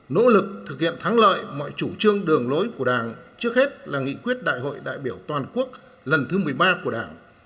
nỗ lực thực hiện thắng lợi mọi chủ trương đường lối của đảng trước hết là nghị quyết đại hội đại biểu toàn quốc lần thứ một mươi ba của đảng